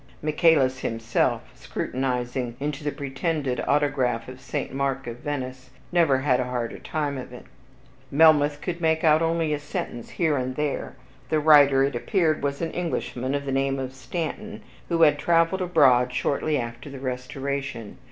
Michaelis himself, scrutinizing into the pretended autograph of St. Mark at Venice, never had a harder time of it. Melmoth could make out only a sentence here and there. The writer, it appeared, was an Englishman of the name of Stanton, who had traveled abroad shortly after the Restoration.